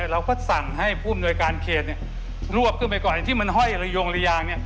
เราก็สั่งให้ผู้อำนวยการเขตรวบขึ้นไปก่อนที่มันห้อยระยงระยาง